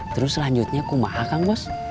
terus selanjutnya kumaha kang bos